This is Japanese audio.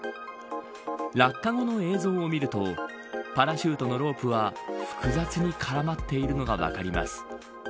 落下後の映像を見るとパラシュートのロープは複雑に絡まっているのが分かります。